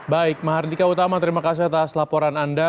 baik mahardika utama terima kasih atas laporan anda